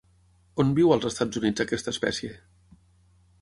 On viu als Estats Units aquesta espècie?